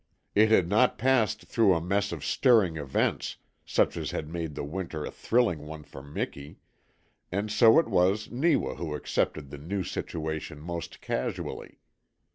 It had not passed through a mess of stirring events such as had made the winter a thrilling one for Miki, and so it was Neewa who accepted the new situation most casually.